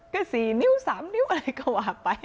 ก็๔นิ้ว๓นิ้วอะไรก็ว่าไป